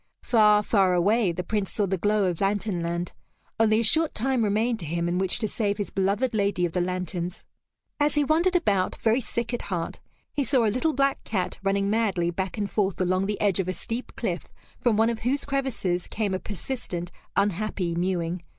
Far, far away, the Prince saw the glow of Lantern Land. Only a short time remained to him in which to save his beloved lady of the lanterns. As he wandered about, very sick at heart, he saw a little black cat running madly back and forth along the edge of a steep cliff from one of whose crevices came a persistent, unhappy mewing.